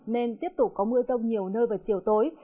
nên tiếp tục có mưa rông nhiều nơi vào chiều tối